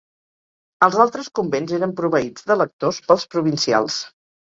Els altres convents eren proveïts de lectors pels provincials.